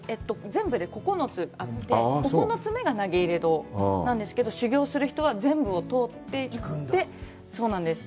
全部で９つあって９つ目が投入堂なんですけど修行する人は全部を通っていってそうなんです。